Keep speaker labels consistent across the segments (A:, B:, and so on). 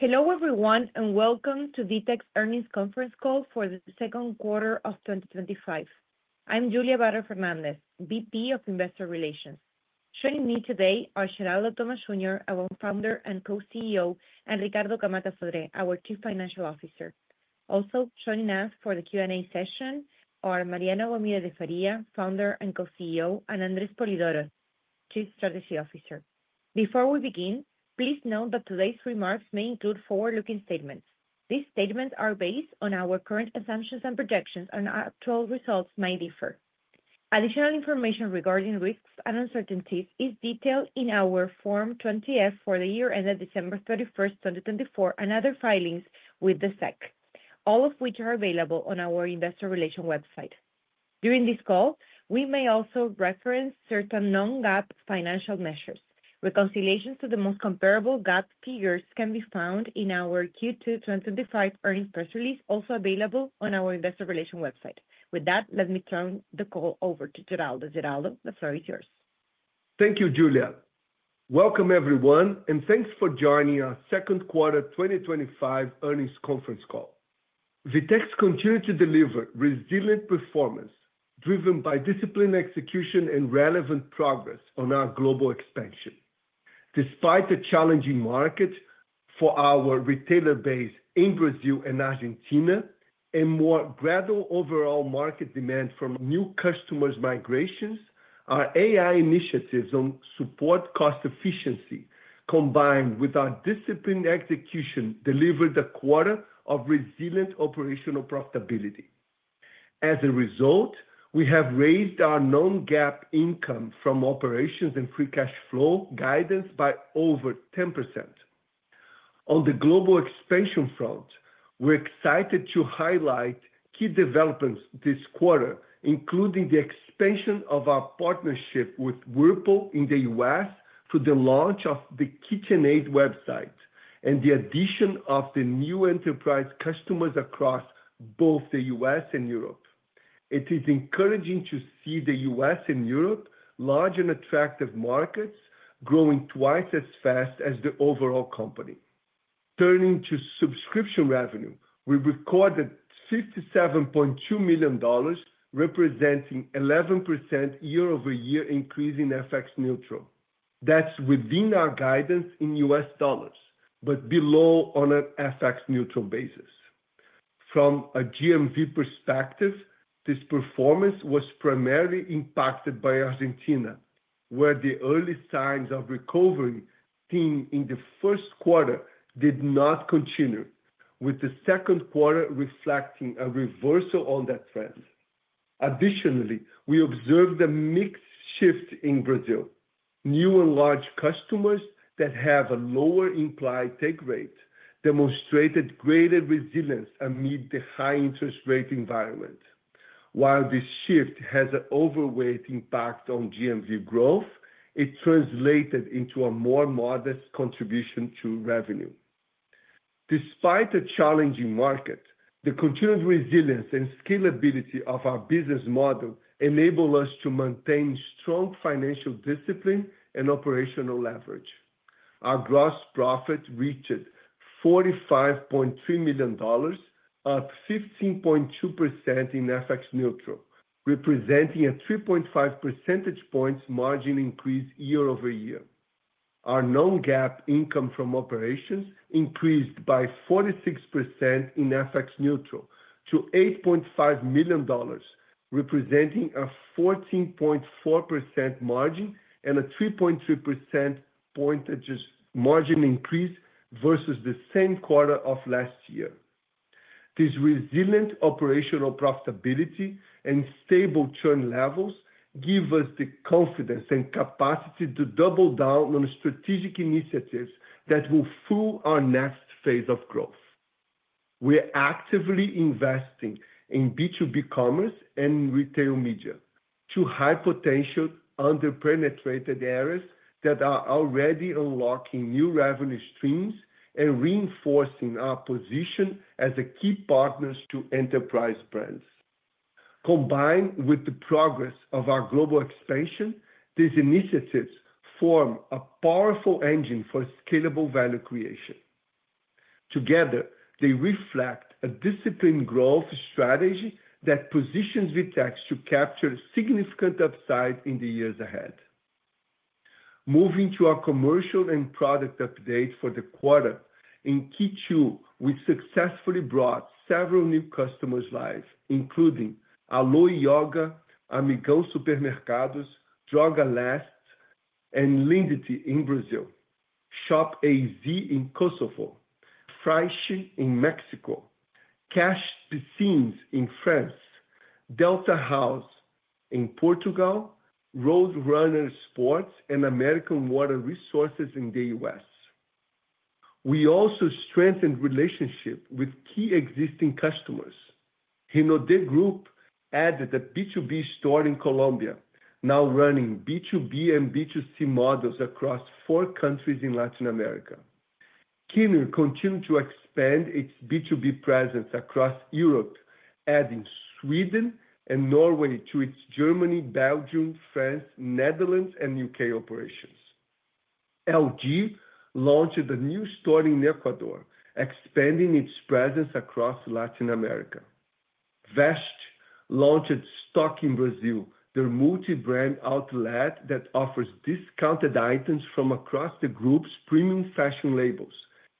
A: Hello everyone, and welcome to VTEX Earnings Conference Call for the Second Quarter of 2025. I'm Julia Vater Fernández, VP of Investor Relations. Joining me today are Geraldo Thomaz Júnior, our Founder and Co-CEO, and Ricardo Camatta Sodré, our Chief Financial Officer. Also joining us for the Q&A session are Mariano Gomide de Faria, Founder and Co-CEO, and André Spolidoro, Chief Strategy Officer. Before we begin, please note that today's remarks may include forward-looking statements. These statements are based on our current assumptions and projections, and actual results may differ. Additional information regarding risks and uncertainties is detailed in our Form 20-F for the year ended December 31, 2024, and other filings with the SEC, all of which are available on our Investor Relations website. During this call, we may also reference certain non-GAAP financial measures. Reconciliations to the most comparable GAAP figures can be found in our Q2 2025 earnings press release, also available on our Investor Relations website. With that, let me turn the call over to Geraldo. Geraldo, the floor is yours.
B: Thank you, Julia. Welcome everyone, and thanks for joining our second quarter 2025 earnings conference call. VTEX continues to deliver resilient performance, driven by disciplined execution and relevant progress on our global expansion. Despite a challenging market for our retailer base in Brazil and Argentina, and more gradual overall market demand from new customers' migrations, our AI initiatives on support cost efficiency, combined with our disciplined execution, delivered a quarter of resilient operational profitability. As a result, we have raised our non-GAAP income from operations and free cash flow guidance by over 10%. On the global expansion front, we're excited to highlight key developments this quarter, including the expansion of our partnership with Whirlpool in the U.S. through the launch of the KitchenAid website and the addition of new enterprise customers across both the U.S. and Europe. It is encouraging to see the U.S. and Europe large and attractive markets growing twice as fast as the overall company. Turning to subscription revenue, we recorded $57.2 million, representing 11% year-over-year increase in FX neutral. That's within our guidance in U.S. dollars, but below on an FX neutral basis. From a GMV perspective, this performance was primarily impacted by Argentina, where the early signs of recovery seen in the first quarter did not continue, with the second quarter reflecting a reversal on that trend. Additionally, we observed a mixed shift in Brazil. New and large customers that have a lower implied take rate demonstrated greater resilience amid the high interest rate environment. While this shift has an overweight impact on GMV growth, it translated into a more modest contribution to revenue. Despite a challenging market, the continued resilience and scalability of our business model enable us to maintain strong financial discipline and operational leverage. Our gross profit reached $45.3 million, up 15.2% in FX neutral, representing a 3.5% margin increase year over year. Our non-GAAP income from operations increased by 46% in FX neutral to $8.5 million, representing a 14.4% margin and a 3.3% margin increase versus the same quarter of last year. This resilient operational profitability and stable churn levels give us the confidence and capacity to double down on strategic initiatives that will fuel our next phase of growth. We're actively investing in B2B commerce and in retail media to high-potential underpenetrated areas that are already unlocking new revenue streams and reinforcing our position as a key partner to enterprise brands. Combined with the progress of our global expansion, these initiatives form a powerful engine for scalable value creation. Together, they reflect a disciplined growth strategy that positions VTEX to capture significant upside in the years ahead. Moving to our commercial and product updates for the quarter, in Q2, we successfully brought several new customers live, including Alo Yoga, Amigão Supermercados, Droga Leste, and Lindt in Brazil, ShopAZ in Kosovo, FrySheet in Mexico, Cash Piscines in France, Delta House in Portugal, Road Runner Sports and American Water Resources in the U.S. We also strengthened relationships with key existing customers. Renault Group added a B2B store in Colombia, now running B2B and B2C models across four countries in Latin America. Kindle continued to expand its B2B presence across Europe, adding Sweden and Norway to its Germany, Belgium, France, Netherlands, and U.K. operations. LG launched a new store in Ecuador, expanding its presence across Latin America. Veste launched Estoque in Brazil, their multi-brand outlet that offers discounted items from across the group's premium fashion labels,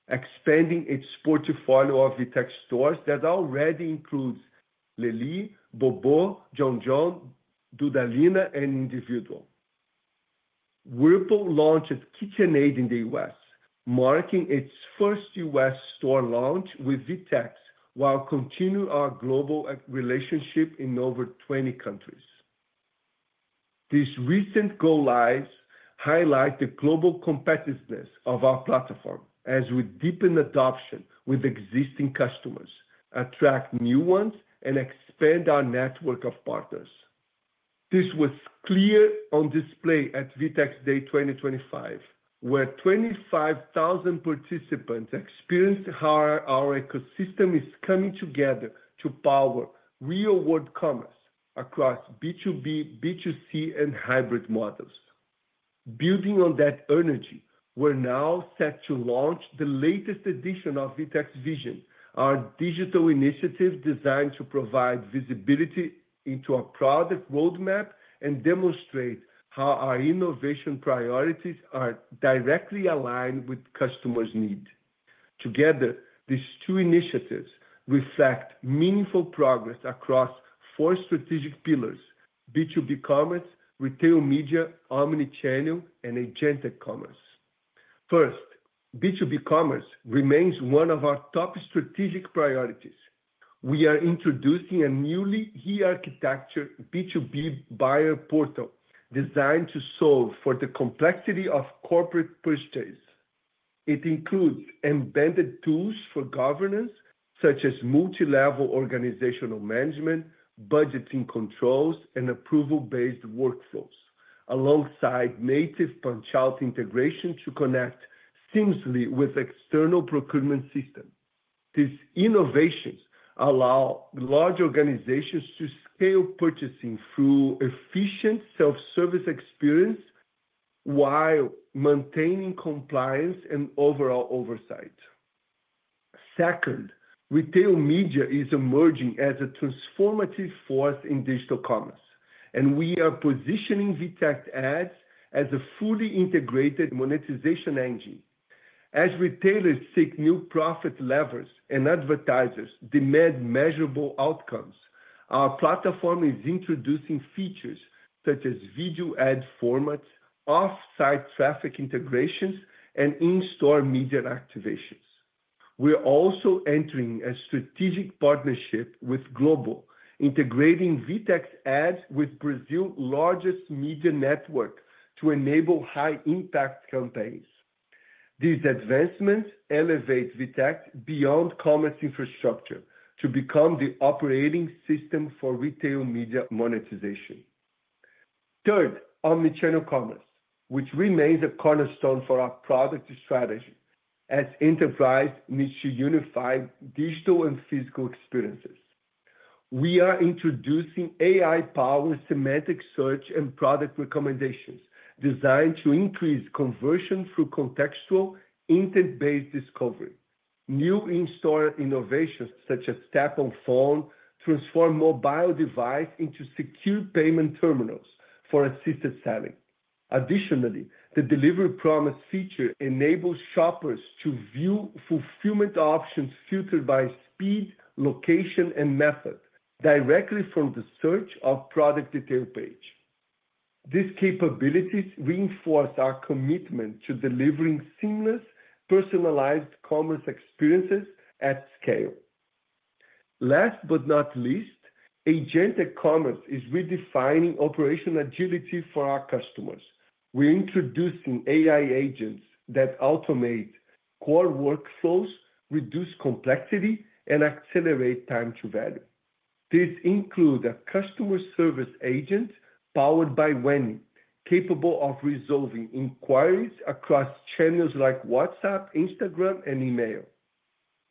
B: expanding its portfolio of VTEX stores that already include Lele, Bobo, Jon Jon, Dudalina, and Individual. Whirlpool launched KitchenAid in the U.S., marking its first U.S. store launch with VTEX, while continuing our global relationship in over 20 countries. This recent goal highlights the global competitiveness of our platform, as we deepen adoption with existing customers, attract new ones, and expand our network of partners. This was clearly on display at VTEX Day 2025, where 25,000 participants experienced how our ecosystem is coming together to power real-world commerce across B2B, B2C, and hybrid models. Building on that energy, we're now set to launch the latest edition of VTEX Vision, our digital initiative designed to provide visibility into our product roadmap and demonstrate how our innovation priorities are directly aligned with customers' needs. Together, these two initiatives reflect meaningful progress across four strategic pillars: B2B commerce, retail media, omnichannel, and agentic commerce. First, B2B commerce remains one of our top strategic priorities. We are introducing a newly re-architected B2B buyer portal designed to solve for the complexity of corporate purchases. It includes embedded tools for governance, such as multi-level organizational management, budgeting controls, and approval-based workflows, alongside native punch-out integration to connect seamlessly with external procurement systems. These innovations allow large organizations to scale purchasing through an efficient self-service experience while maintaining compliance and overall oversight. Second, retail media is emerging as a transformative force in digital commerce, and we are positioning VTEX Ads as a fully integrated monetization engine. As retailers seek new profit levers and advertisers demand measurable outcomes, our platform is introducing features such as video ad formats, offsite traffic integrations, and in-store media activations. We are also entering a strategic partnership with Global, integrating VTEX Ads with Brazil's largest media network to enable high-impact campaigns. These advancements elevate VTEX beyond commerce infrastructure to become the operating system for retail media monetization. Third, omnichannel commerce, which remains a cornerstone for our product strategy, as enterprise needs to unify digital and physical experiences. We are introducing AI-powered semantic search and product recommendations designed to increase conversion through contextual intent-based discovery. New in-store innovations such as Tap on Phone transform mobile devices into secure payment terminals for assisted selling. Additionally, the delivery promise feature enables shoppers to view fulfillment options filtered by speed, location, and method directly from the search of the product detail page. These capabilities reinforce our commitment to delivering seamless, personalized commerce experiences at scale. Last but not least, agentic commerce is redefining operational agility for our customers. We are introducing AI agents that automate core workflows, reduce complexity, and accelerate time to value. These include a customer service agent powered by Weny, capable of resolving inquiries across channels like WhatsApp, Instagram, and email,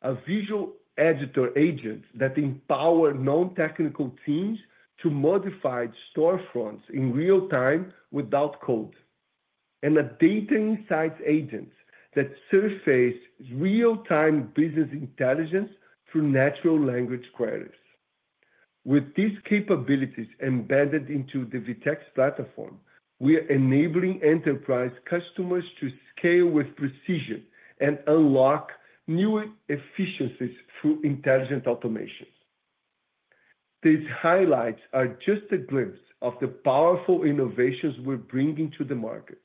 B: a visual editor agent that empowers non-technical teams to modify storefronts in real time without code, and a data insights agent that surfaces real-time business intelligence through natural language queries. With these capabilities embedded into the VTEX platform, we're enabling enterprise customers to scale with precision and unlock new efficiencies through intelligent automation. These highlights are just a glimpse of the powerful innovations we're bringing to the market.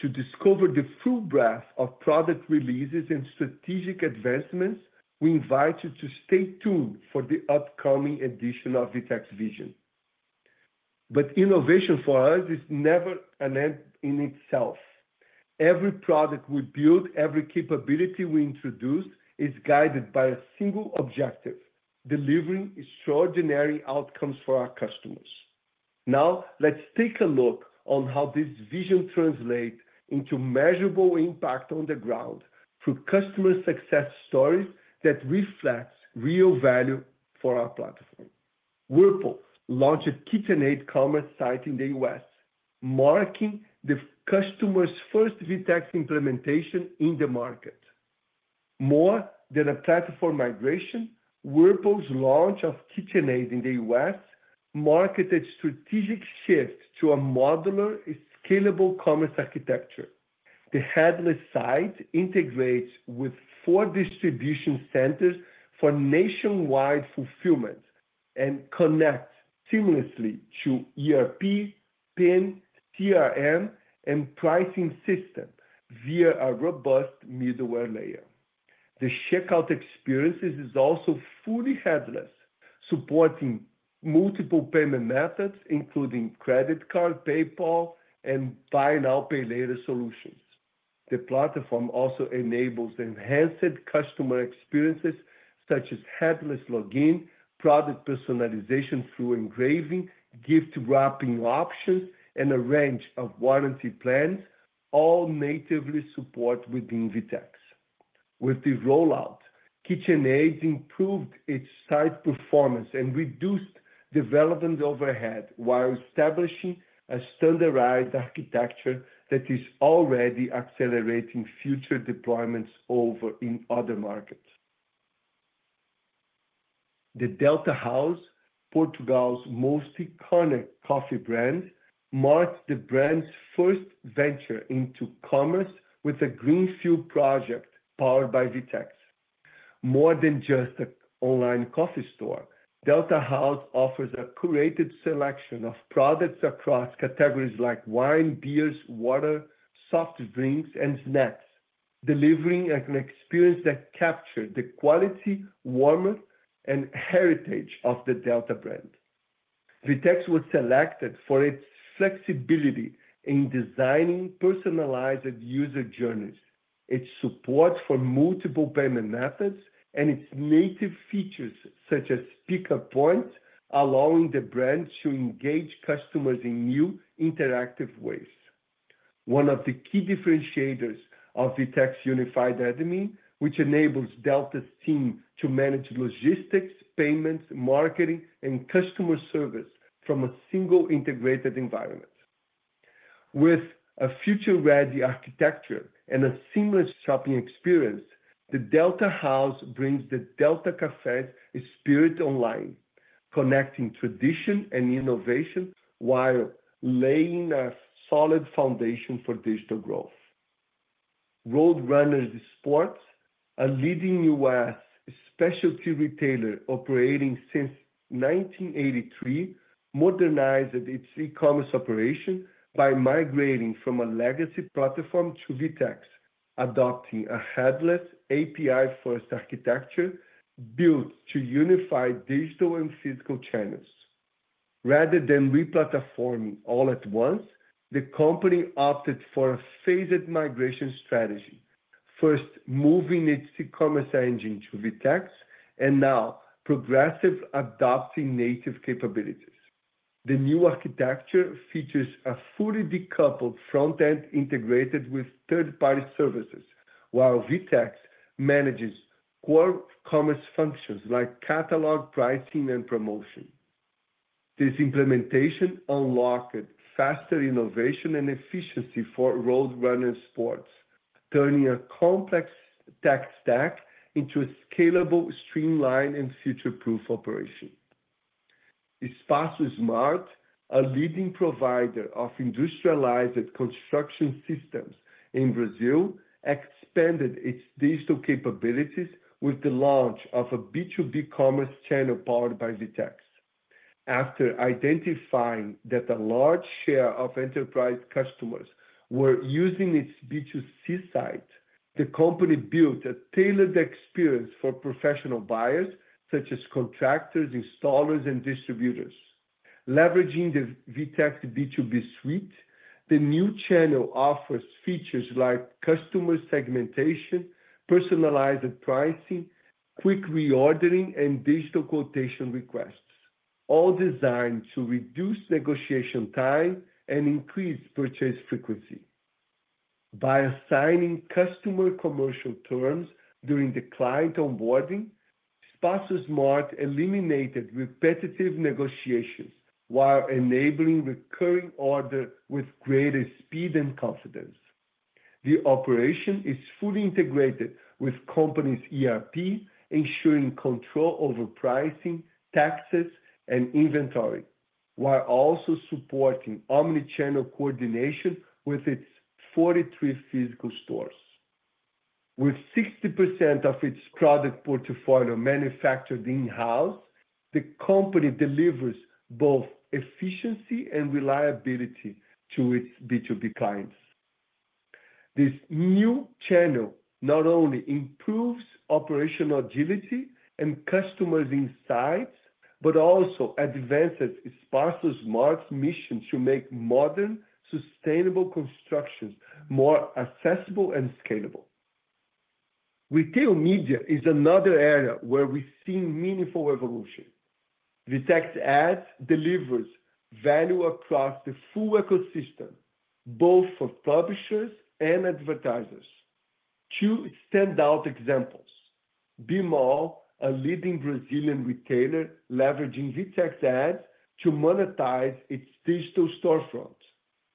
B: To discover the full breadth of product releases and strategic advancements, we invite you to stay tuned for the upcoming edition of VTEX Vision. Innovation for us is never an end in itself. Every product we build, every capability we introduce, is guided by a single objective: delivering extraordinary outcomes for our customers. Now, let's take a look at how this vision translates into measurable impact on the ground through customer success stories that reflect real value for our platform. Whirlpool launched a KitchenAid commerce site in the U.S., marking the customer's first VTEX implementation in the market. More than a platform migration, Whirlpool's launch of KitchenAid in the U.S. marked a strategic shift to a modular, scalable commerce architecture. The headless site integrates with four distribution centers for nationwide fulfillment and connects seamlessly to ERP, PIM, CRM, and pricing systems via a robust middleware layer. The checkout experience is also fully headless, supporting multiple payment methods, including credit card, PayPal, and buy-now-pay-later solutions. The platform also enables enhanced customer experiences, such as headless login, product personalization through engraving, gift wrapping options, and a range of warranty plans, all natively supported within VTEX. With the rollout, KitchenAid improved its site performance and reduced development overhead while establishing a standardized architecture that is already accelerating future deployments in other markets. The Delta House, Portugal's most iconic coffee brand, marks the brand's first venture into commerce with a greenfield project powered by VTEX. More than just an online coffee store, Delta House offers a curated selection of products across categories like wine, beers, water, soft drinks, and snacks, delivering an experience that captures the quality, warmth, and heritage of the Delta brand. VTEX was selected for its flexibility in designing personalized user journeys, its support for multiple payment methods, and its native features such as speaker points, allowing the brand to engage customers in new, interactive ways. One of the key differentiators of VTEX's unified revenue, which enables Delta's team to manage logistics, payments, marketing, and customer service from a single integrated environment. With a future-ready architecture and a seamless shopping experience, the Delta House brings the Delta Café's spirit online, connecting tradition and innovation while laying a solid foundation for digital growth. Road Runner Sports, a leading U.S. specialty retailer operating since 1983, modernized its e-commerce operation by migrating from a legacy platform to VTEX, adopting a headless, API-first architecture built to unify digital and physical channels. Rather than replatforming all at once, the company opted for a phased migration strategy, first moving its e-commerce engine to VTEX and now progressively adopting native capabilities. The new architecture features a fully decoupled front end integrated with third-party services, while VTEX manages core commerce functions like catalog pricing and promotion. This implementation unlocked faster innovation and efficiency for Road Runner Sports, turning a complex tech stack into a scalable, streamlined, and future-proof operation. Espaço Smart, a leading provider of industrialized construction systems in Brazil, expanded its digital capabilities with the launch of a B2B commerce channel powered by VTEX. After identifying that a large share of enterprise customers were using its B2C site, the company built a tailored experience for professional buyers such as contractors, installers, and distributors. Leveraging the VTEX B2B suite, the new channel offers features like customer segmentation, personalized pricing, quick reordering, and digital quotation requests, all designed to reduce negotiation time and increase purchase frequency. By assigning customer commercial terms during the client onboarding, Espaço Smart eliminated repetitive negotiations while enabling recurring orders with greater speed and confidence. The operation is fully integrated with the company's ERP, ensuring control over pricing, taxes, and inventory, while also supporting omnichannel coordination with its 43 physical stores. With 60% of its product portfolio manufactured in-house, the company delivers both efficiency and reliability to its B2B clients. This new channel not only improves operational agility and customer insights, but also advances Espaço Smart's mission to make modern, sustainable constructions more accessible and scalable. Retail media is another area where we're seeing meaningful evolution. VTEX Ads delivers value across the full ecosystem, both for publishers and advertisers. Two standout examples: Bemol, a leading Brazilian retailer leveraging VTEX Ads to monetize its digital storefront,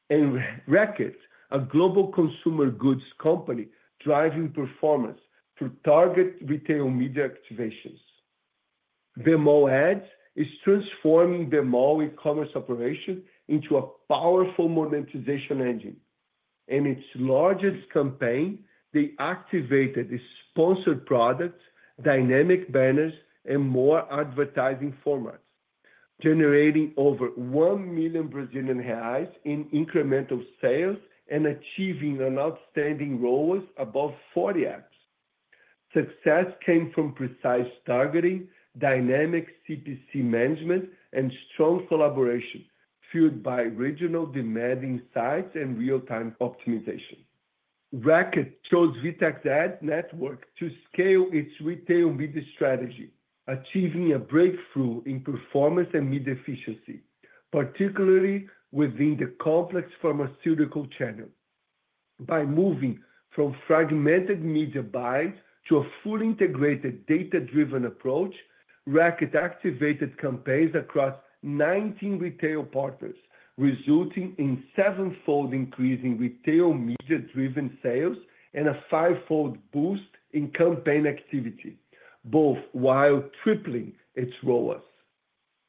B: and Reckitt, a global consumer goods company driving performance through target retail media activations. Bemol Ads is transforming Bemol e-commerce operations into a powerful monetization engine. In its largest campaign, they activated sponsored products, dynamic banners, and more advertising formats, generating over 1 million Brazilian reais in incremental sales and achieving an outstanding ROAS above 40x. Success came from precise targeting, dynamic CPC management, and strong collaboration fueled by regional demand insights and real-time optimization. Reckitt chose VTEX Ads' network to scale its retail media strategy, achieving a breakthrough in performance and media efficiency, particularly within the complex pharmaceutical channel. By moving from fragmented media buyers to a fully integrated, data-driven approach, Reckitt activated campaigns across 19 retail partners, resulting in a seven-fold increase in retail media-driven sales and a five-fold boost in campaign activity, both while tripling its ROAS.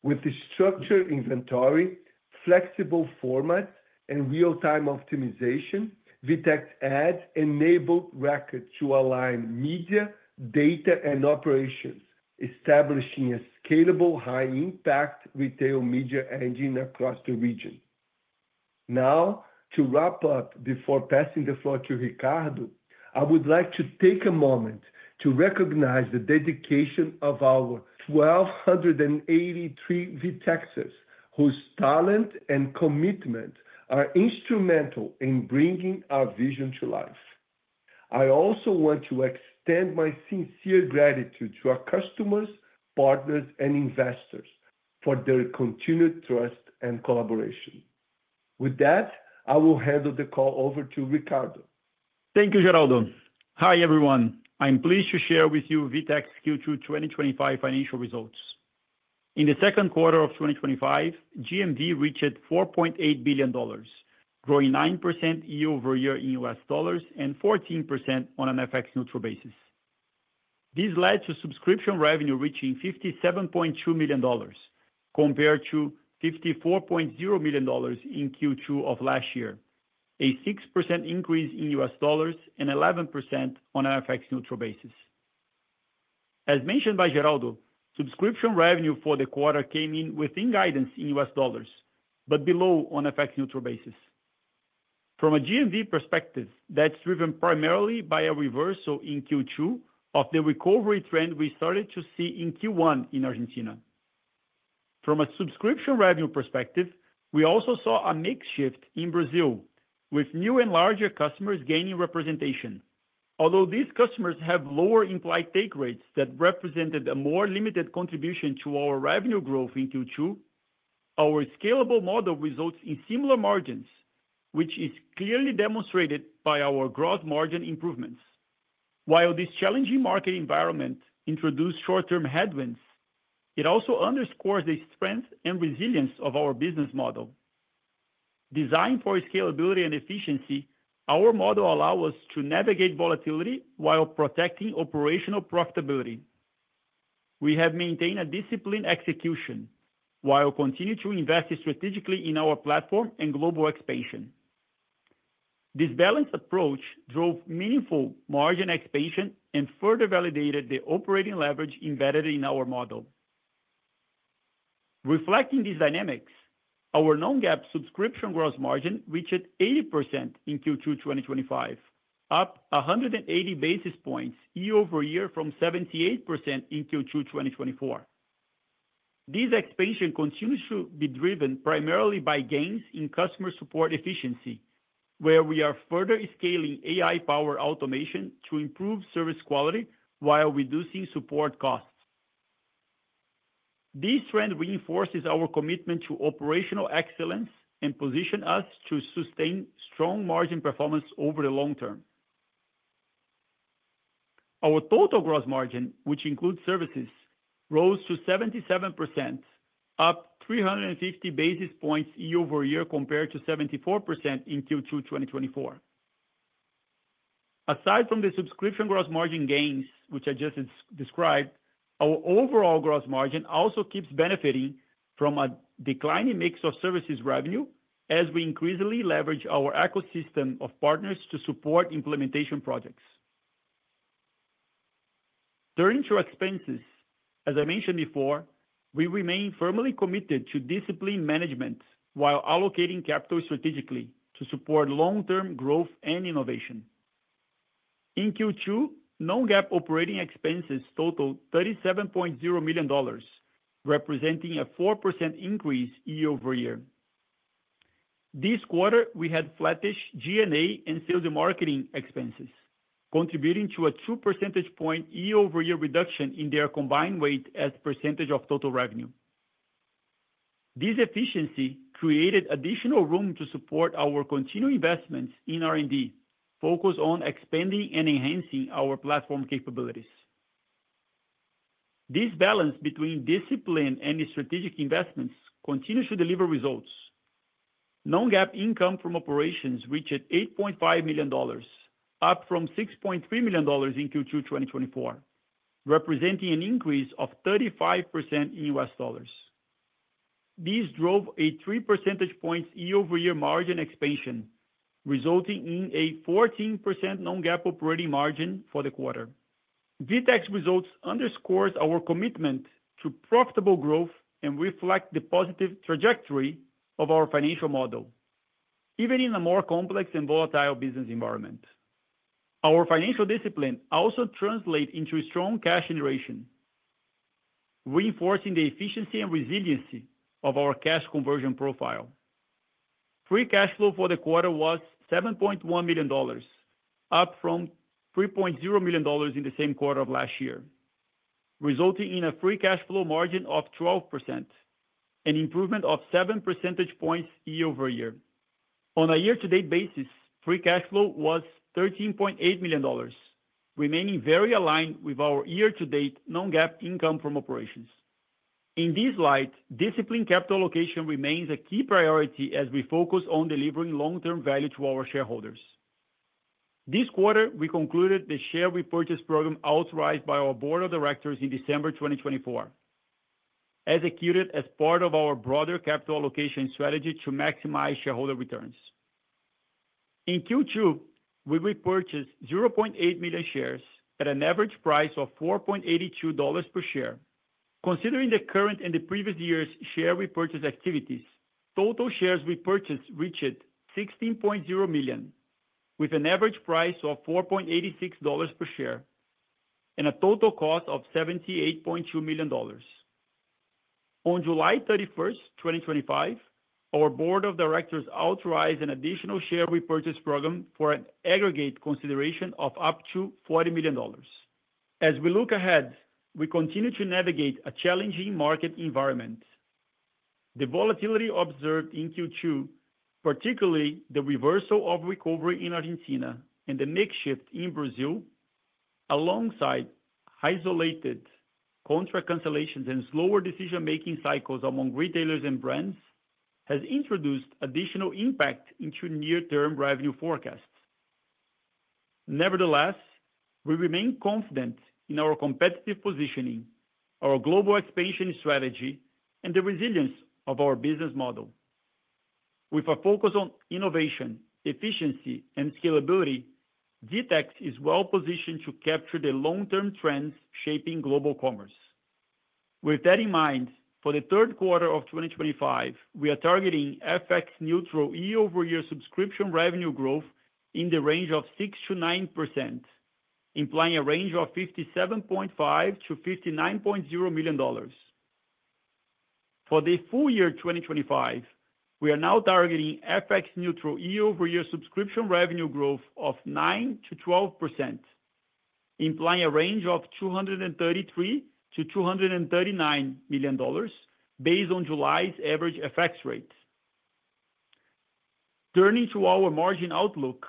B: With the structured inventory, flexible formats, and real-time optimization, VTEX Ads enabled Reckitt to align media, data, and operations, establishing a scalable, high-impact retail media engine across the region. Now, to wrap up before passing the floor to Ricardo, I would like to take a moment to recognize the dedication of our 1,283 VTEXers, whose talent and commitment are instrumental in bringing our vision to life. I also want to extend my sincere gratitude to our customers, partners, and investors for their continued trust and collaboration. With that, I will hand the call over to Ricardo.
C: Thank you, Geraldo. Hi, everyone. I'm pleased to share with you VTEX Q2 2025 financial results. In the second quarter of 2025, GMV reached $4.8 billion, growing 9% year-over-year in U.S. dollars and 14% on an FX neutral basis. This led to subscription revenue reaching $57.2 million, compared to $54.0 million in Q2 of last year, a 6% increase in U.S. dollars and 11% on an FX neutral basis. As mentioned by Geraldo, subscription revenue for the quarter came in within guidance in U.S. dollars, but below on an FX neutral basis. From a GMV perspective, that's driven primarily by a reversal in Q2 of the recovery trend we started to see in Q1 in Argentina. From a subscription revenue perspective, we also saw a mix shift in Brazil, with new and larger customers gaining representation. Although these customers have lower implied take rates that represented a more limited contribution to our revenue growth in Q2, our scalable model results in similar margins, which is clearly demonstrated by our gross margin improvements. While this challenging market environment introduced short-term headwinds, it also underscores the strength and resilience of our business model. Designed for scalability and efficiency, our model allows us to navigate volatility while protecting operational profitability. We have maintained a disciplined execution while continuing to invest strategically in our platform and global expansion. This balanced approach drove meaningful margin expansion and further validated the operating leverage embedded in our model. Reflecting these dynamics, our non-GAAP subscription gross margin reached 80% in Q2 2025, up 180 basis points year-over-year from 78% in Q2 2024. This expansion continues to be driven primarily by gains in customer support efficiency, where we are further scaling AI-powered automation to improve service quality while reducing support costs. This trend reinforces our commitment to operational excellence and positions us to sustain strong margin performance over the long term. Our total gross margin, which includes services, rose to 77%, up 350 basis points year-over-year compared to 74% in Q2 2024. Aside from the subscription gross margin gains, which I just described, our overall gross margin also keeps benefiting from a declining mix of services revenue as we increasingly leverage our ecosystem of partners to support implementation projects. Turning to expenses, as I mentioned before, we remain firmly committed to disciplined management while allocating capital strategically to support long-term growth and innovation. In Q2, non-GAAP operating expenses totaled $37.0 million, representing a 4% increase year-over-year. This quarter, we had flattish G&A and sales and marketing expenses, contributing to a 2% point year-over-year reduction in their combined weight as a percentage of total revenue. This efficiency created additional room to support our continued investments in R&D, focused on expanding and enhancing our platform capabilities. This balance between discipline and strategic investments continues to deliver results. Non-GAAP income from operations reached $8.5 million, up from $6.3 million in Q2 2024, representing an increase of 35% in U.S. dollars. This drove a 3% point year-over-year margin expansion, resulting in a 14% non-GAAP operating margin for the quarter. VTEX results underscore our commitment to profitable growth and reflect the positive trajectory of our financial model, even in a more complex and volatile business environment. Our financial discipline also translates into strong cash generation, reinforcing the efficiency and resiliency of our cash conversion profile. Free cash flow for the quarter was $7.1 million, up from $3.0 million in the same quarter of last year, resulting in a free cash flow margin of 12%, an improvement of 7% points year-over-year. On a year-to-date basis, free cash flow was $13.8 million, remaining very aligned with our year-to-date non-GAAP income from operations. In this light, disciplined capital allocation remains a key priority as we focus on delivering long-term value to our shareholders. This quarter, we concluded the share repurchase program authorized by our Board of Directors in December 2024, executed as part of our broader capital allocation strategy to maximize shareholder returns. In Q2, we repurchased 0.8 million shares at an average price of $4.82 per share. Considering the current and the previous year's share repurchase activities, total shares repurchased reached 16.0 million, with an average price of $4.86 per share and a total cost of $78.2 million. On July 31, 2025, our Board of Directors authorized an additional share repurchase program for an aggregate consideration of up to $40 million. As we look ahead, we continue to navigate a challenging market environment. The volatility observed in Q2, particularly the reversal of recovery in Argentina and the mixed shift in Brazil, alongside isolated contract cancellations and slower decision-making cycles among retailers and brands, has introduced additional impact into near-term revenue forecasts. Nevertheless, we remain confident in our competitive positioning, our global expansion strategy, and the resilience of our business model. With a focus on innovation, efficiency, and scalability, VTEX is well-positioned to capture the long-term trends shaping global commerce. With that in mind, for the third quarter of 2025, we are targeting FX neutral year-over-year subscription revenue growth in the range of 6%-9%, implying a range of $57.5 million-$59.0 million. For the full year 2025, we are now targeting FX neutral year-over-year subscription revenue growth of 9%-12%, implying a range of $233 million-$239 million based on July's average FX rate. Turning to our margin outlook,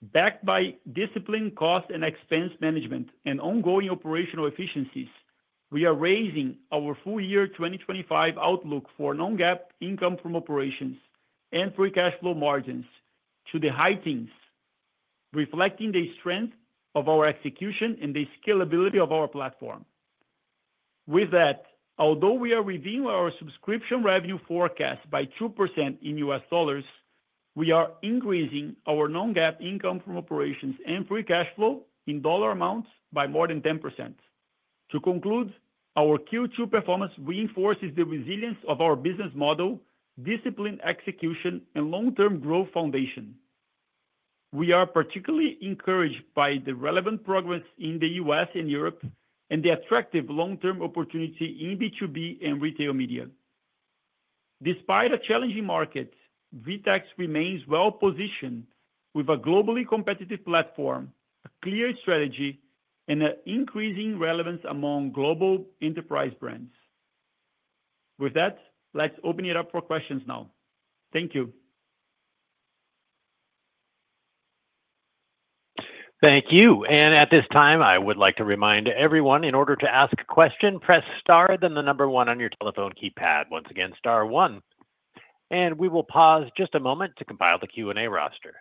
C: backed by disciplined cost and expense management and ongoing operational efficiencies, we are raising our full year 2025 outlook for non-GAAP income from operations and free cash flow margins to the high teens, reflecting the strength of our execution and the scalability of our platform. With that, although we are revising our subscription revenue forecast by 2% in U.S. dollars, we are increasing our non-GAAP income from operations and free cash flow in dollar amounts by more than 10%. To conclude, our Q2 performance reinforces the resilience of our business model, disciplined execution, and long-term growth foundation. We are particularly encouraged by the relevant progress in the U.S. and Europe and the attractive long-term opportunity in B2B and retail media. Despite a challenging market, VTEX remains well-positioned with a globally competitive platform, a clear strategy, and an increasing relevance among global enterprise brands. With that, let's open it up for questions now. Thank you.
D: Thank you. At this time, I would like to remind everyone, in order to ask a question, press star, then the number one on your telephone keypad. Once again, star one. We will pause just a moment to compile the Q&A roster.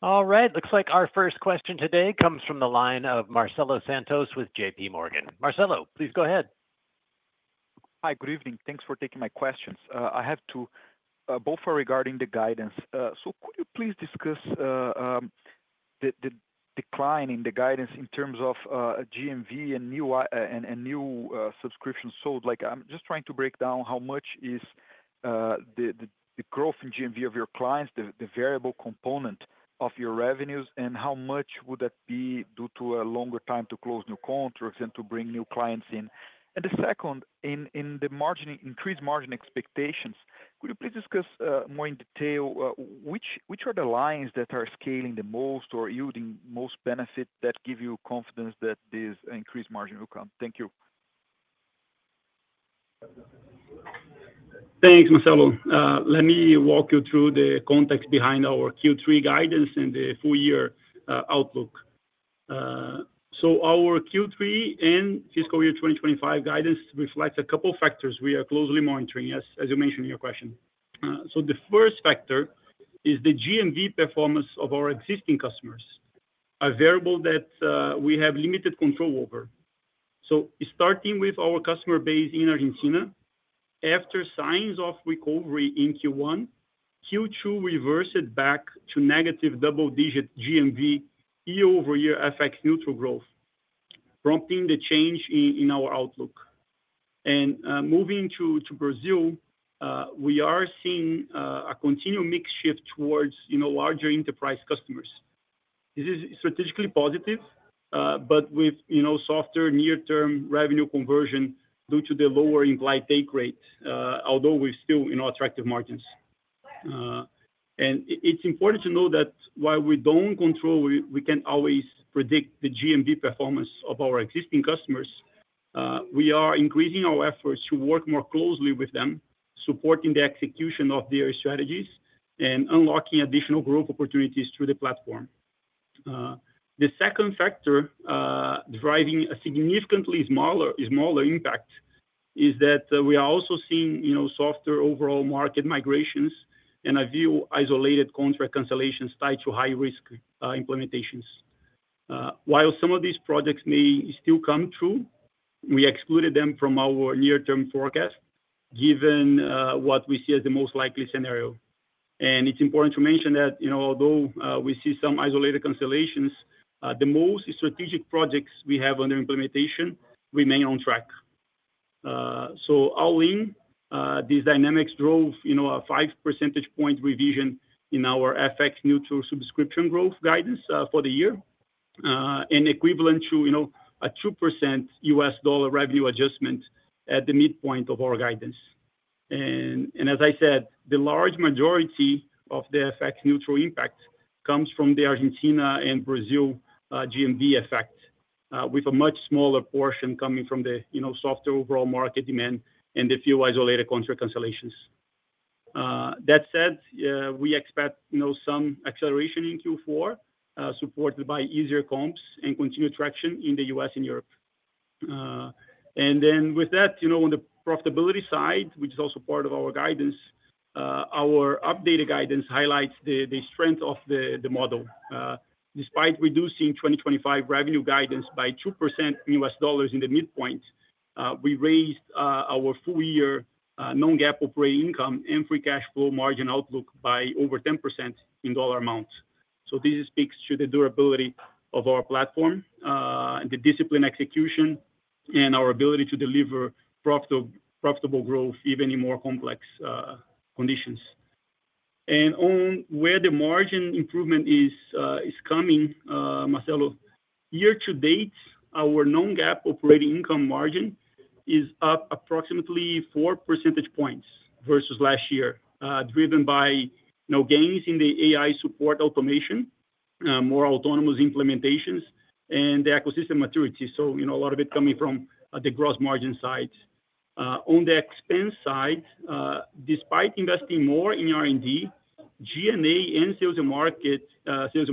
D: All right, looks like our first question today comes from the line of Marcelo Santos with JPMorgan. Marcelo, please go ahead.
E: Hi, good evening. Thanks for taking my questions. I have two, both are regarding the guidance. Could you please discuss the decline in the guidance in terms of GMV and new subscriptions sold? I'm just trying to break down how much is the growth in GMV of your clients, the variable component of your revenues, and how much would that be due to a longer time to close new contracts and to bring new clients in? In the increased margin expectations, could you please discuss more in detail which are the lines that are scaling the most or yielding most benefit that give you confidence that there's an increased margin will come? Thank you.
C: Thanks, Marcelo. Let me walk you through the context behind our Q3 guidance and the full year outlook. Our Q3 and fiscal year 2025 guidance reflects a couple of factors we are closely monitoring, as you mentioned in your question. The first factor is the GMV performance of our existing customers, a variable that we have limited control over. Starting with our customer base in Argentina, after signs of recovery in Q1, Q2 reversed back to negative double-digit GMV year-over-year FX neutral growth, prompting the change in our outlook. Moving to Brazil, we are seeing a continued mix shift towards larger enterprise customers. This is strategically positive, but with softer near-term revenue conversion due to the lower implied take rate, although we're still in our attractive margins. It's important to note that while we don't control, we can't always predict the GMV performance of our existing customers. We are increasing our efforts to work more closely with them, supporting the execution of their strategies and unlocking additional growth opportunities through the platform. The second factor driving a significantly smaller impact is that we are also seeing softer overall market migrations and a few isolated contract cancellations tied to high-risk implementations. While some of these projects may still come true, we excluded them from our near-term forecast given what we see as the most likely scenario. It's important to mention that although we see some isolated cancellations, the most strategic projects we have under implementation remain on track. All in, these dynamics drove a 5% point revision in our FX neutral subscription growth guidance for the year, equivalent to a 2% U.S. dollar revenue adjustment at the midpoint of our guidance. As I said, the large majority of the FX neutral impact comes from the Argentina and Brazil GMV effect, with a much smaller portion coming from the softer overall market demand and the few isolated contract cancellations. That said, we expect some acceleration in Q4, supported by easier comps and continued traction in the U.S. and Europe. With that, on the profitability side, which is also part of our guidance, our updated guidance highlights the strength of the model. Despite reducing 2025 revenue guidance by 2% in U.S. dollars at the midpoint, we raised our full year non-GAAP operating income and free cash flow margin outlook by over 10% in dollar amounts. This speaks to the durability of our platform, the discipline execution, and our ability to deliver profitable growth even in more complex conditions. On where the margin improvement is coming, Marcelo, year to date, our non-GAAP operating income margin is up approximately 4% points versus last year, driven by gains in the AI support automation, more autonomous implementations, and the ecosystem maturity. A lot of it is coming from the gross margin side. On the expense side, despite investing more in R&D, G&A and sales and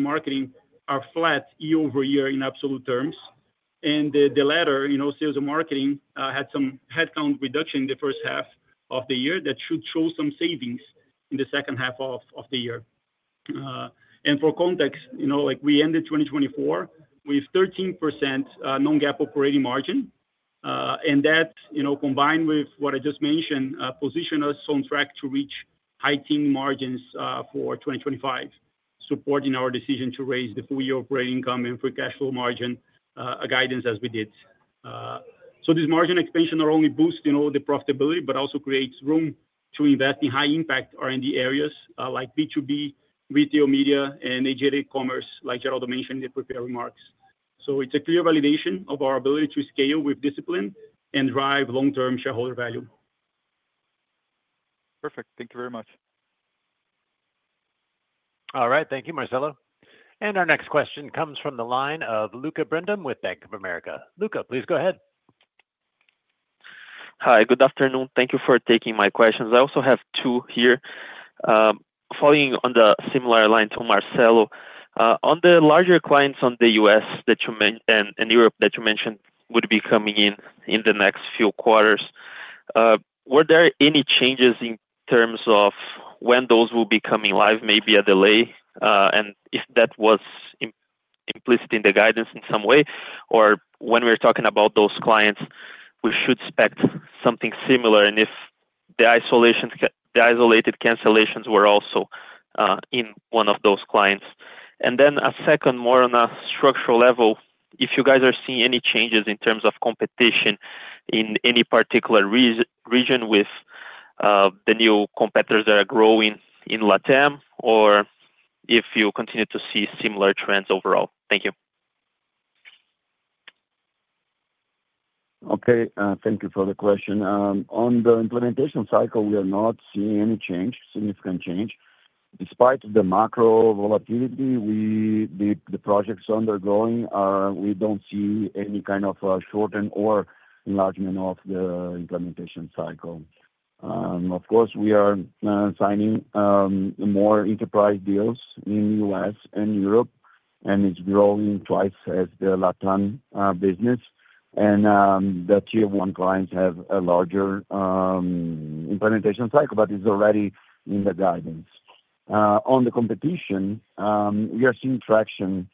C: marketing are flat year-over-year in absolute terms. The latter, sales and marketing, had some headcount reduction in the first half of the year that should show some savings in the second half of the year. For context, we ended 2024 with 13% non-GAAP operating margin. That, combined with what I just mentioned, positions us on track to reach high-teens margins for 2025, supporting our decision to raise the full year operating income and free cash flow margin guidance as we did. This margin expansion not only boosts the profitability, but also creates room to invest in high-impact R&D areas like B2B, retail media, and agentic commerce, like Geraldo mentioned in the prepared remarks. It is a clear validation of our ability to scale with discipline and drive long-term shareholder value.
E: Perfect. Thank you very much.
D: All right, thank you, Marcelo. Our next question comes from the line of Lucca Brendim with Bank of America. Lucca, please go ahead.
F: Hi, good afternoon. Thank you for taking my questions. I also have two here, following on the similar line to Marcelo. On the larger clients in the US that you mentioned and Europe that you mentioned would be coming in in the next few quarters, were there any changes in terms of when those will be coming live, maybe a delay, and if that was implicit in the guidance in some way? When we're talking about those clients, we should expect something similar, and if the isolated cancellations were also in one of those clients. A second, more on a structural level, if you guys are seeing any changes in terms of competition in any particular region with the new competitors that are growing in LATAM, or if you continue to see similar trends overall. Thank you.
B: Okay, thank you for the question. On the implementation cycle, we are not seeing any change, significant change. Despite the macro volatility the projects are undergoing, we don't see any kind of shortening or enlargement of the implementation cycle. Of course, we are signing more enterprise deals in the U.S. and Europe, and it's growing twice as the LATAM business. The tier one clients have a larger implementation cycle, but it's already in the guidance. On the competition, we are seeing traction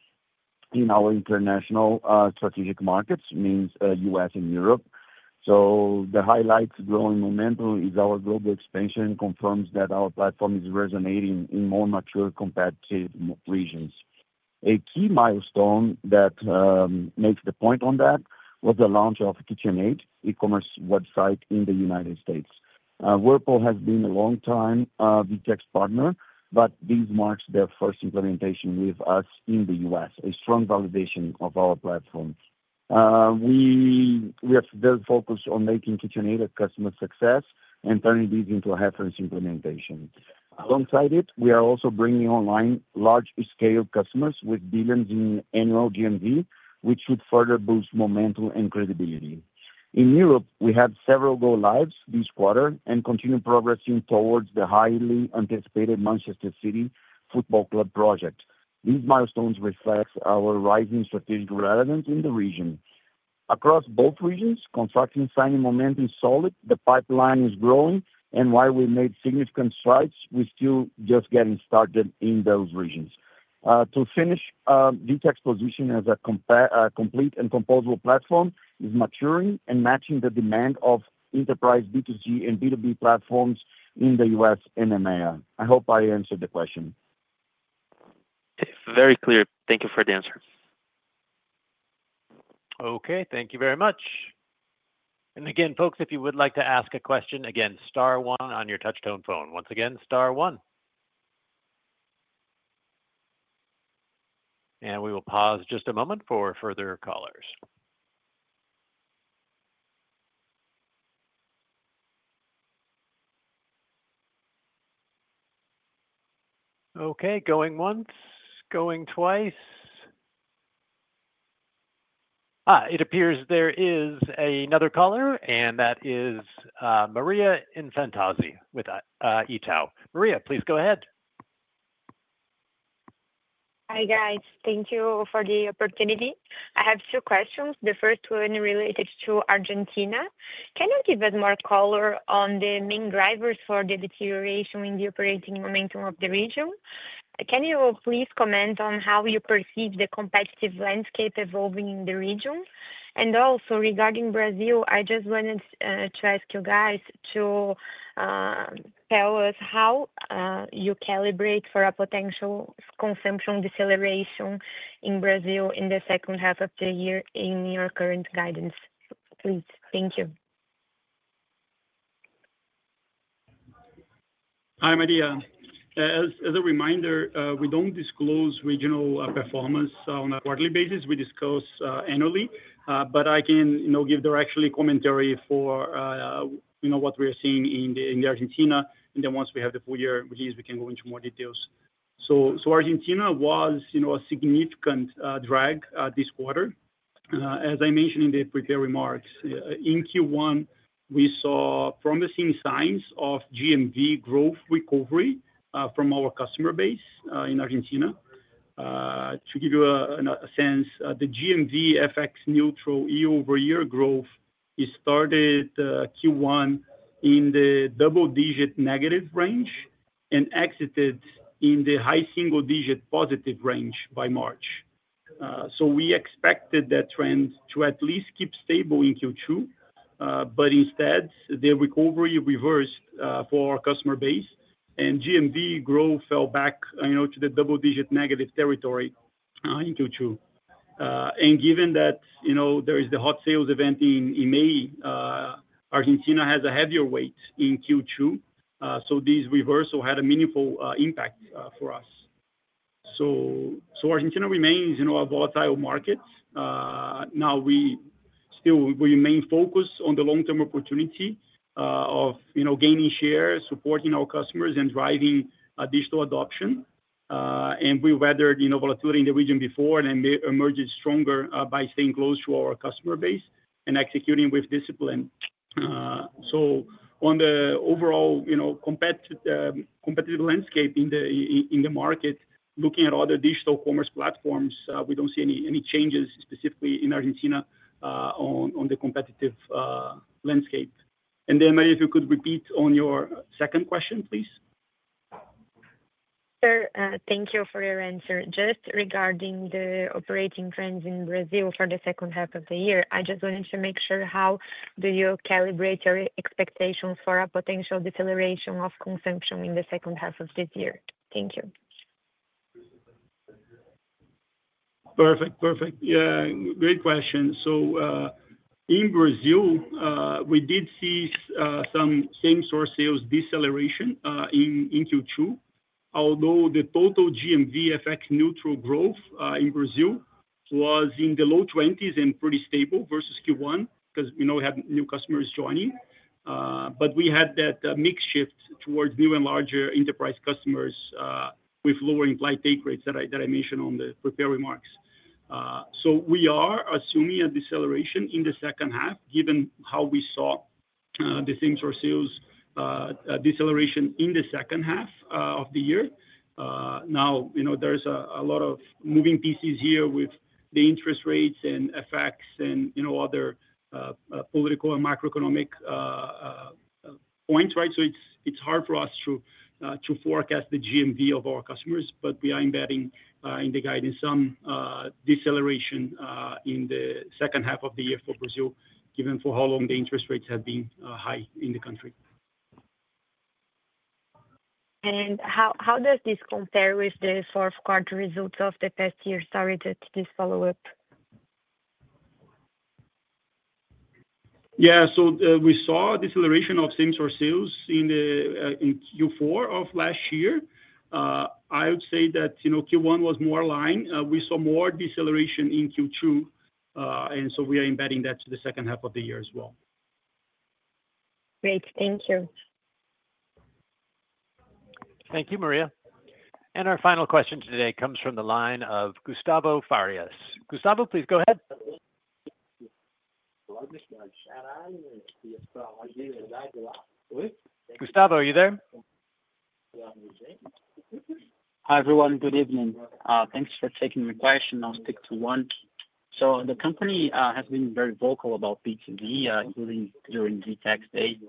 B: in our international strategic markets, meaning U.S. and Europe. The highlights growing momentum is our global expansion confirms that our platform is resonating in more mature competitive regions. A key milestone that makes the point on that was the launch of KitchenAid, an e-commerce website in the United States. Whirlpool has been a long-time VTEX partner, but this marks their first implementation with us in the U.S., a strong validation of our platform. We have focused on making KitchenAid a customer success and turning this into a head-first implementation. Alongside it, we are also bringing online large-scale customers with billions in annual GMV, which should further boost momentum and credibility. In Europe, we had several go lives this quarter and continue progressing towards the highly anticipated Manchester City Football Club project. These milestones reflect our rising strategic relevance in the region. Across both regions, contracting signing momentum is solid. The pipeline is growing, and while we've made significant strides, we're still just getting started in those regions. To finish, VTEX's position as a complete and composable platform is maturing and matching the demand of enterprise B2C and B2B platforms in the U.S. and EMEA. I hope I answered the question.
F: Very clear. Thank you for the answer.
D: Okay, thank you very much. If you would like to ask a question, star one on your touchtone phone. Once again, star one. We will pause just a moment for further callers. Okay, going once, going twice. It appears there is another caller, and that is Maria Infantozzi with Itaú. Maria, please go ahead.
G: Hi, guys. Thank you for the opportunity. I have two questions. The first one related to Argentina. Can you give us more color on the main drivers for the deterioration in the operating momentum of the region? Can you please comment on how you perceive the competitive landscape evolving in the region? Also, regarding Brazil, I just wanted to ask you guys to tell us how you calibrate for a potential consumption deceleration in Brazil in the second half of the year in your current guidance. Please, thank you.
C: Hi, Maria. As a reminder, we don't disclose regional performance on a quarterly basis. We discuss annually, but I can give the actual commentary for what we are seeing in Argentina and then once we have the full year, we can go into more details. Argentina was a significant drag this quarter. As I mentioned in the prepared remarks, in Q1, we saw promising signs of GMV growth recovery from our customer base in Argentina. To give you a sense, the GMV FX neutral year-over-year growth started Q1 in the double-digit negative range and exited in the high single-digit positive range by March. We expected that trend to at least keep stable in Q2, but instead, the recovery reversed for our customer base, and GMV growth fell back to the double-digit negative territory in Q2. Given that there is the hot sales event in May, Argentina has a heavier weight in Q2, so this reversal had a meaningful impact for us. Argentina remains a volatile market. We still remain focused on the long-term opportunity of gaining shares, supporting our customers, and driving digital adoption. We weathered volatility in the region before and emerged stronger by staying close to our customer base and executing with discipline. On the overall competitive landscape in the market, looking at other digital commerce platforms, we don't see any changes specifically in Argentina on the competitive landscape. Maria, if you could repeat on your second question, please.
G: Sure. Thank you for your answer. Just regarding the operating trends in Brazil for the second half of the year, I just wanted to make sure how do you calibrate your expectations for a potential deceleration of consumption in the second half of this year? Thank you.
C: Perfect, perfect. Yeah, great question. In Brazil, we did see some same-source sales deceleration in Q2, although the total GMV FX neutral growth in Brazil was in the low 20% and pretty stable versus Q1 because we had new customers joining. We had that mixed shift towards new and larger enterprise customers with lower implied take rates that I mentioned on the prepared remarks. We are assuming a deceleration in the second half, given how we saw the same-source sales deceleration in the second half of the year. There are a lot of moving pieces here with the interest rates and FX and other political and macroeconomic points, right? It's hard for us to forecast the GMV of our customers, but we are embedding in the guidance some deceleration in the second half of the year for Brazil, given for how long the interest rates have been high in the country.
G: How does this compare with the fourth quarter results of the past year? Sorry to do this follow-up.
C: Yeah, we saw a deceleration of same-source sales in Q4 of last year. I would say that Q1 was more aligned. We saw more deceleration in Q2, so we are embedding that to the second half of the year as well.
G: Great. Thank you.
C: Thank you, Maria.
D: Our final question today comes from the line of Gustavo Farias. Gustavo, please go ahead. Gustavo, are you there? Hi, everyone. Good evening. Thanks for taking the question. I'll stick to one. The company has been very vocal about B2B, including during VTEX Day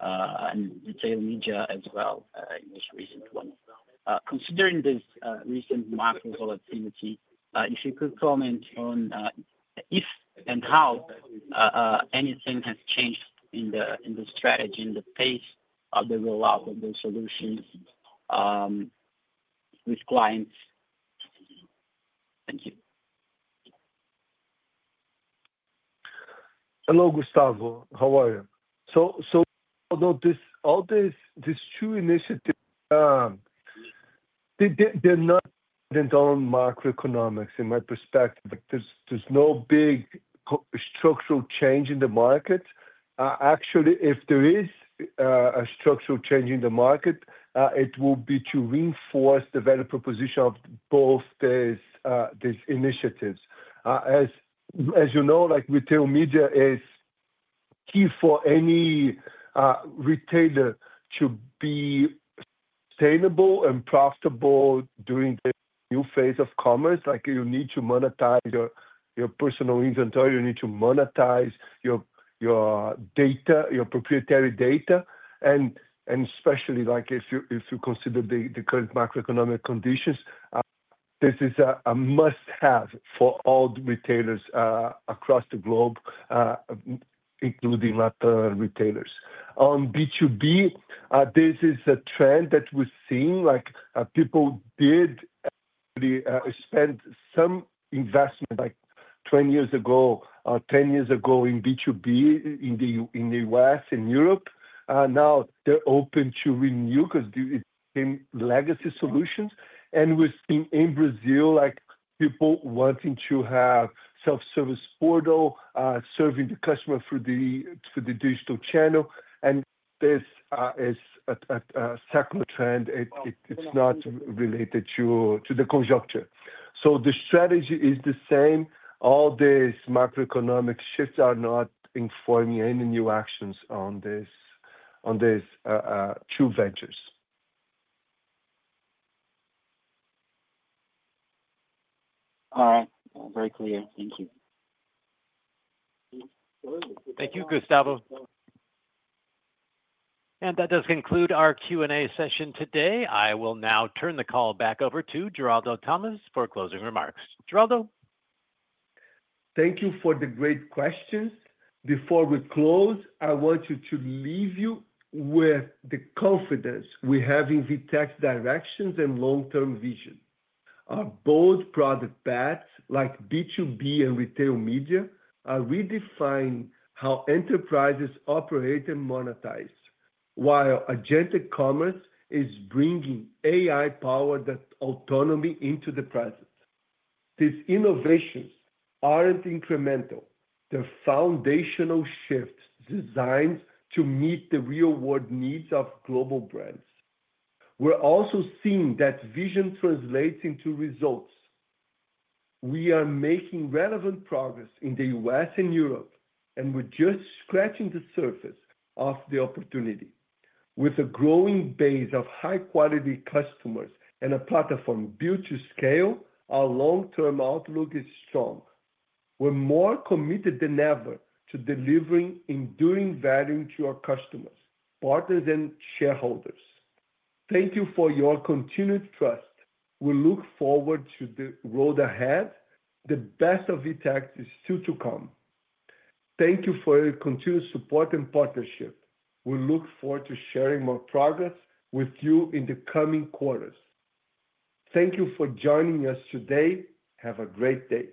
D: and retail media as well in this recent one. Considering this recent market volatility, if you could comment on if and how anything has changed in the strategy, in the pace of the rollout of the solutions with clients. Thank you.
B: Hello, Gustavo. How are you? Although this is all true initiative, they're not even on macroeconomics in my perspective. There's no big structural change in the market. Actually, if there is a structural change in the market, it will be to reinforce the value proposition of both these initiatives. As you know, retail media is key for any retailer to be sustainable and profitable during the new phase of commerce. You need to monetize your personal inventory. You need to monetize your data, your proprietary data. Especially if you consider the current macroeconomic conditions, this is a must-have for all the retailers across the globe, including LATAM retailers. On B2B, this is a trend that we're seeing. People did actually spend some investment like 20 years ago or 10 years ago in B2B in the U.S. and Europe. Now they're open to renew because they became legacy solutions. We're seeing in Brazil people wanting to have a self-service portal serving the customer through the digital channel. This is a cyclical trend. It's not related to the conjuncture. The strategy is the same. All these macroeconomic shifts are not informing any new actions on these two ventures. All right. Very clear. Thank you. Thank you, Gustavo.
D: That does conclude our Q&A session today. I will now turn the call back over to Geraldo Thomaz for closing remarks. Geraldo.
B: Thank you for the great questions. Before we close, I want to leave you with the confidence we have in VTEX's directions and long-term vision. Our bold product paths, like B2B and retail media, redefine how enterprises operate and monetize, while agentic commerce is bringing AI-powered autonomy into the present. These innovations aren't incremental. They're foundational shifts designed to meet the real-world needs of global brands. We're also seeing that vision translates into results. We are making relevant progress in the U.S. and Europe, and we're just scratching the surface of the opportunity. With a growing base of high-quality customers and a platform built to scale, our long-term outlook is strong. We're more committed than ever to delivering enduring value to our customers, partners, and shareholders. Thank you for your continued trust. We look forward to the road ahead. The best of VTEX is still to come. Thank you for your continued support and partnership. We look forward to sharing more progress with you in the coming quarters. Thank you for joining us today. Have a great day.